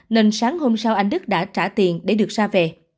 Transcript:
nên sáng hôm sau anh đức đã trả tiền để được ra về